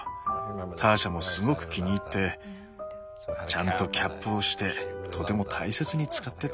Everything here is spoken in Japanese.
ターシャもすごく気に入ってちゃんとキャップをしてとても大切に使ってた。